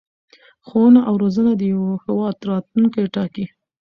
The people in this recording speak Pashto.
ښوونه او رزونه د یو هېواد راتلوونکی ټاکي.